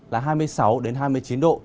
là hai mươi sáu hai mươi chín độ